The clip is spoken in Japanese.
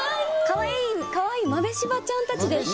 かわいい豆柴ちゃんたちです。